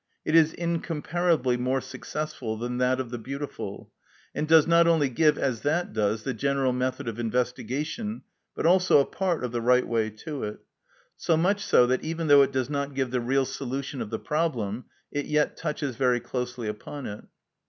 It is incomparably more successful than that of the beautiful, and does not only give, as that does, the general method of investigation, but also a part of the right way to it—so much so that even though it does not give the real solution of the problem, it yet touches very closely upon it.